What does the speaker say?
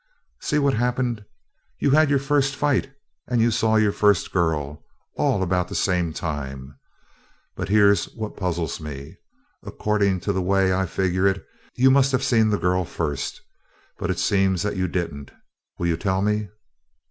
"See what happened: You had your first fight and you saw your first girl, all about the same time. But here's what puzzles me: according to the way I figure it, you must have seen the girl first. But it seems that you didn't. Will you tell me?"